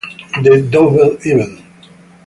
The Double Event